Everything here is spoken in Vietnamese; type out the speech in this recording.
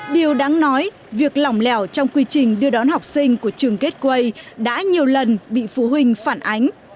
điều đáng nói việc lỏng lẻo trong quy trình đưa đón học sinh của trường kết quây đã nhiều lần bị phụ huynh phản ánh